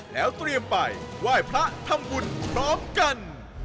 แล้วเตรียมไปไหว้พระทำบุญพร้อมกัน